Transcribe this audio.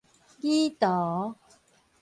擬徒